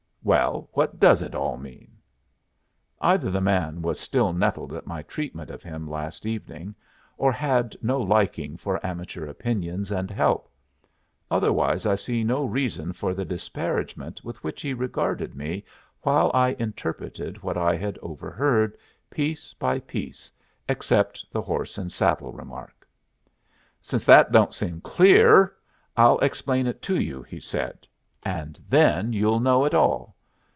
"Well, what does it all mean?" Either the man was still nettled at my treatment of him last evening, or had no liking for amateur opinions and help; otherwise I see no reason for the disparagement with which he regarded me while I interpreted what I had overheard, piece by piece, except the horse and saddle remark. "Since that don't seem clear, I'll explain it to you," he said, "and then you'll know it all.